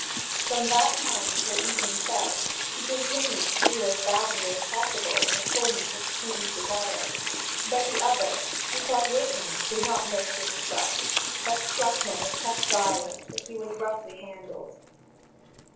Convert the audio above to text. From that time till evening fell he continued to do as badly as possible in accordance with the Queen's desire. But the other, who fought with him, did not miss his thrust, but struck him with such violence that he was roughly handled.